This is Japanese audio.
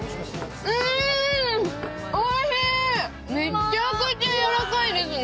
めっちゃくちゃやわらかいですね。